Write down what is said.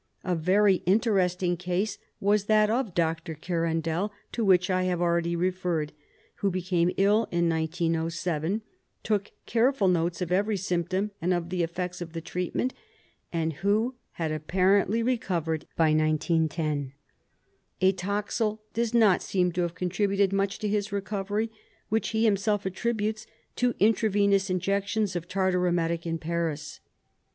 A very in teresting case was that of Dr. Iverandel, to which I have already referred, who became ill in 1907, took careful notes of every symptom and of the effects of the treatment, and who had apparently recovered by 1910. Atoxyl does not seem to have contributed much to his recovery, which he himself attributes to intravenous injections of tartar emetic in Paris.